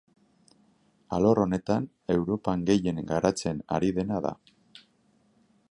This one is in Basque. Alor honetan Europan gehien garatzen ari dena da.